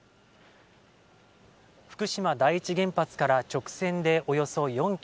福島第一原発から直線でおよそ４ｋｍ。